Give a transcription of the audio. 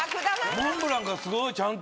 モンブランがすごいちゃんと。